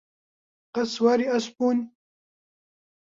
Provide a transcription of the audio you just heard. قەت سواری ئەسپ بوون؟